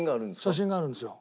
写真があるんですよ。